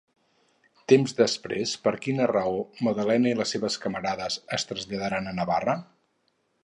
Temps després, per quina raó Magdalena i les seves camarades es traslladaren a Navarra?